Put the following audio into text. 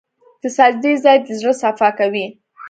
د سجدې ځای د زړه صفا کوي.